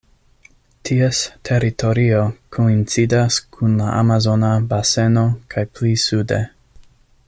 Ties teritorio koincidas kun la Amazona Baseno kaj pli sude.